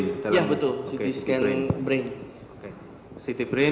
ya betul ct scan brain